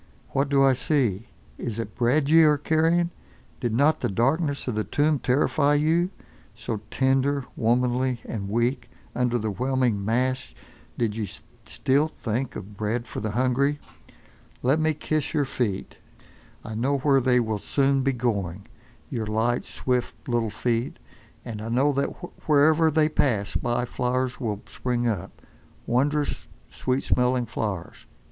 What do I see? Is it bread ye are carrying? Did not the darkness of the tomb terrify you—so tender, womanly and weak; under the whelming mass did ye still think of bread for the hungry? Let me kiss your feet. I know where they will soon be going, your light, swift little feet. And I know that wherever they pass by flowers will spring up—wondrous, sweet smelling flowers.